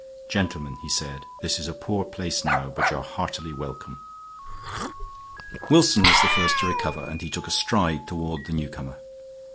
"Gentlemen," he said, "this is a poor place now, but you are heartily welcome." Wilson was the first to recover, and he took a stride toward the newcomer.